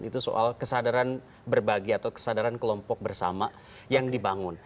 itu soal kesadaran berbagi atau kesadaran kelompok bersama yang dibangun